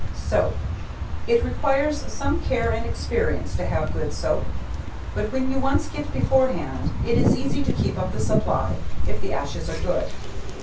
Soap. It requires some care and experience to have good soap; but when you once get beforehand, it is easy to keep up the supply if the ashes are good.